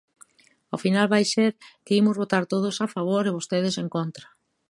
Ao final vai ser que imos votar todos a favor e vostedes en contra.